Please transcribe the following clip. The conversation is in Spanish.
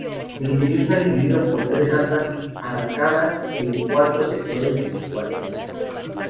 El interior está dividido por tres altas arcadas en cuatro sectores desiguales.